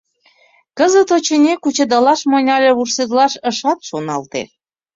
Кызыт, очыни, кучедалаш монь але вурседылаш ышат шоналте.